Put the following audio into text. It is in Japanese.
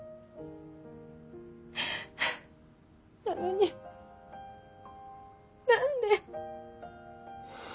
なのに何で。